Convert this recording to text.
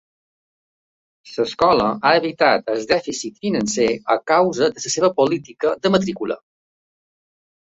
L'escola ha evitat el dèficit financer a causa de la seva política de matrícula.